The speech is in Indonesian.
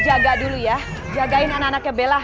jaga dulu ya jagain anak anaknya bella